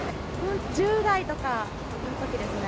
１０代とかのときですね。